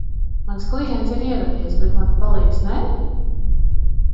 Mans klients ir ieradies, bet mans palīgs nē?